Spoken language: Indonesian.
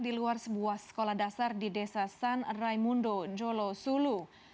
di luar sebuah sekolah dasar di desa san raimundo jolo sulu